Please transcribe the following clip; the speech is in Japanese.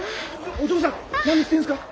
お嬢さん何してるんですか？